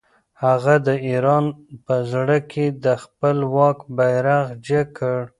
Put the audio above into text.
هغه د ایران په زړه کې د خپل واک بیرغ جګ کړ.